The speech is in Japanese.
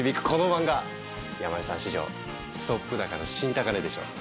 山根さん史上ストップ高の新高値でしょう！